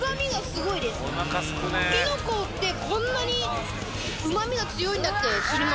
きのこってこんなにうまみが強いんだって知りました。